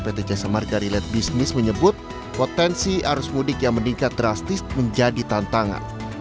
pt jasa marga relate business menyebut potensi arus mudik yang meningkat drastis menjadi tantangan